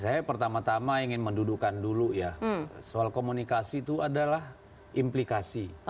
saya pertama tama ingin mendudukan dulu ya soal komunikasi itu adalah implikasi